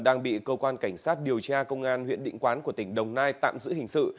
đang bị cơ quan cảnh sát điều tra công an huyện định quán của tỉnh đồng nai tạm giữ hình sự